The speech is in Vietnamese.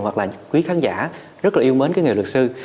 hoặc là quý khán giả rất là yêu mến cái nghề luật sư